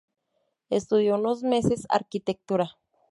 Estudió unos meses Arquitectura.